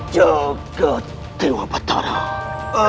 jangan katakan apa yang kau katakan